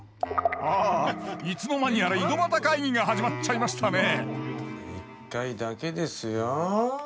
あいつの間にやら井戸端会議が始まっちゃいましたね一回だけですよ。